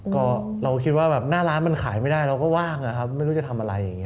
ก็เราคิดว่าแบบหน้าร้านมันขายไม่ได้เราก็ว่างนะครับไม่รู้จะทำอะไรอย่างนี้